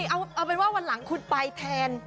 เอาเป็นว่าวันหลังคุณไปแทน